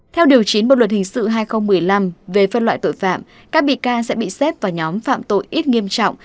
theo điều chín bộ luật hình sự hai nghìn một mươi năm về phân loại tội phạm các bị can sẽ bị xếp vào nhóm phạm tội ít nghiêm trọng